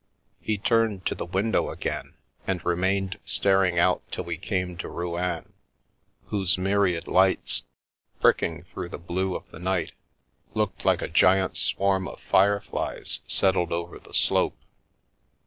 He turned to the window again, and remained staring out till we came to Rouen, whose myriad lights, pricking through the blue of the night, looked like a giant swarm of fire flies settled over the slope.